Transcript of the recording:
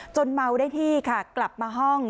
เมาได้ที่ค่ะกลับมาห้อง